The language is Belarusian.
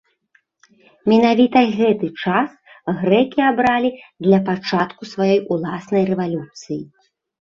Менавіта гэты час грэкі абралі для пачатку сваёй уласнай рэвалюцыі.